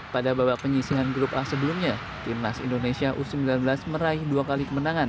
pada babak penyisihan grup a sebelumnya timnas indonesia u sembilan belas meraih dua kali kemenangan